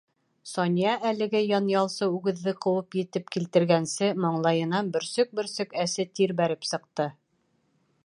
Сания әлеге янъялсы үгеҙҙе ҡыуып етеп килтергәнсе, маңлайынан бөрсөк-бөрсөк әсе тир бәреп сыҡты.